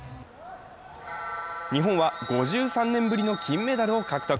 日本は５３年ぶりの金メダルを獲得。